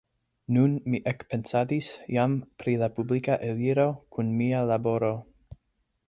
Nun mi ekpensadis jam pri la publika eliro kun mia laboro.